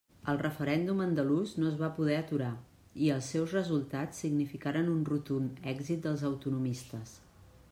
El referèndum andalús no es va poder aturar i els seus resultats significaren un rotund èxit dels autonomistes.